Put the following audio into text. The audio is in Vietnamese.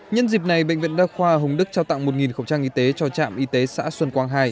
nhân dịp này bệnh viện đa khoa hồng đức trao tặng một khẩu trang y tế cho trạm y tế xã xuân quang hai